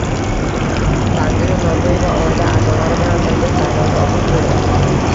Tanzila Norboyeva oila a’zolari bilan birga saylovda ovoz berdi